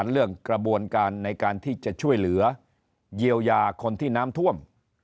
เรื่องกระบวนการในการที่จะช่วยเหลือเยียวยาคนที่น้ำท่วม